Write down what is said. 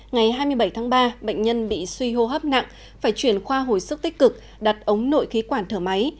ngày hai mươi bảy tháng ba bệnh nhân bị suy hô hấp nặng phải chuyển khoa hồi sức tích cực đặt ống nội khí quản thở máy